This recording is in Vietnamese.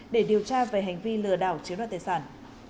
để điều tra về hành vi lừa đảo chiếm đoạt tài sản